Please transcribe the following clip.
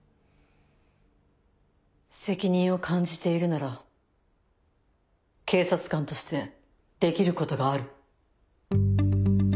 責任を感じているなら警察官としてできることがある。